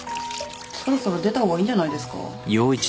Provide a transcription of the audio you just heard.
そろそろ出た方がいいんじゃないですか？